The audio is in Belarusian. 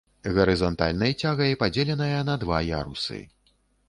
Гарызантальнай цягай падзеленая на два ярусы.